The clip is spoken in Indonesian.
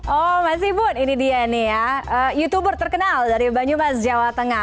oh mas ibun ini dia nih ya youtuber terkenal dari banyumas jawa tengah